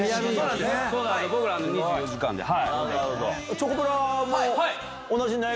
チョコプラも。